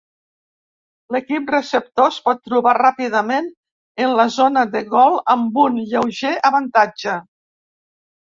L'equip receptor es pot trobar ràpidament en la zona de gol amb un lleuger avantatge.